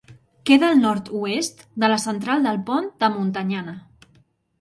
Queda al nord-oest de la Central del Pont de Montanyana.